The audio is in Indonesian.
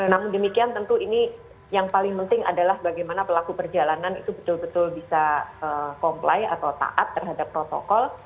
namun demikian tentu ini yang paling penting adalah bagaimana pelaku perjalanan itu betul betul bisa comply atau taat terhadap protokol